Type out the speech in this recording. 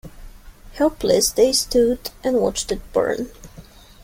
Helpless, they stood and watched it burn.